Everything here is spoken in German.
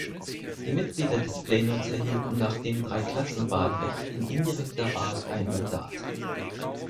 Die Mitglieder des Plenums erhielten nach dem Dreiklassenwahlrecht in indirekter Wahl ein Mandat.